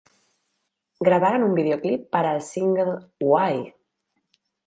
Grabaron un video clip para el single "Why?".